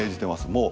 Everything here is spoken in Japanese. もう。